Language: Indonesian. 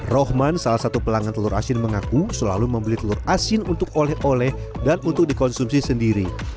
rohman salah satu pelanggan telur asin mengaku selalu membeli telur asin untuk oleh oleh dan untuk dikonsumsi sendiri